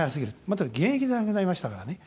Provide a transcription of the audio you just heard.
まだ現役で亡くなりましたからね。